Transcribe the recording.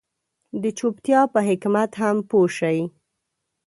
د چوپتيا په حکمت هم پوه شي.